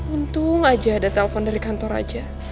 untung aja ada telepon dari kantor aja